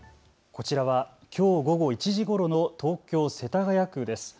こちらは、きょう午後１時ごろの東京世田谷区です。